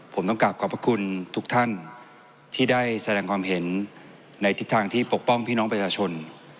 ผมต้องกลับขอบพระคุณทุกท่านที่ได้แสดงความเห็นในทิศทางที่ปกป้องพี่น้องประชาชน